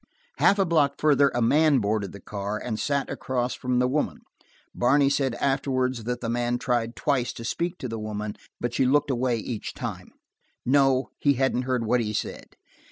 Half a block farther a man boarded the car, and sat across from the woman. Barney said afterward that the man tried twice to speak to the woman, but she looked away each time. No, he hadn't heard what he said.